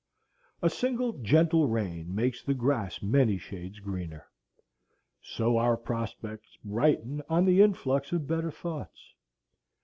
A single gentle rain makes the grass many shades greener. So our prospects brighten on the influx of better thoughts.